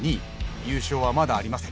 優勝はまだありません。